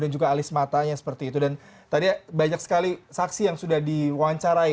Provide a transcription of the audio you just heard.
jadi banyak sekali saksi yang sudah diwawancarai